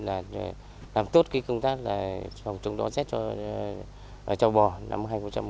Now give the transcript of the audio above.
là làm tốt cái công tác là trồng trồng đoan xét cho bò năm hai nghìn một mươi bảy